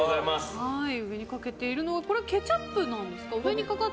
上にかけているのはケチャップなんですか？